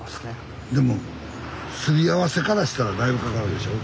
でもすりあわせからしたらだいぶかかるでしょ？